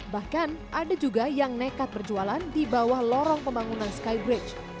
bahkan ada juga yang nekat berjualan di bawah lorong pembangunan skybridge